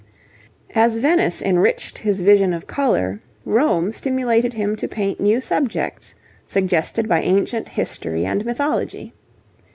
As Venice enriched his vision of colour, Rome stimulated him to paint new subjects suggested by ancient history and mythology.